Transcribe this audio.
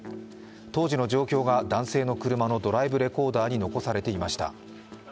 当時の状況が男性の車のドライブレコーダーに残されていました。